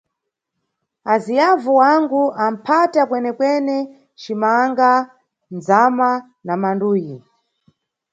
Aziyavu wangu aphata kwenekwene: cimanga, ndzama na manduyi.